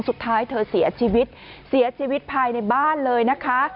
สุดท้ายเธอเสียชีวิตเสียชีวิตภายในบ้านเลยนะคะ